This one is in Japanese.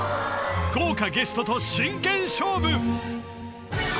豪華ゲストと真剣勝負